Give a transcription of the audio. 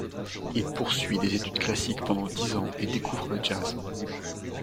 Il poursuit des études classiques pendant dix ans et découvre le jazz.